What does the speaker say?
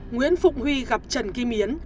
nguyễn phụng huy gặp trần kim yến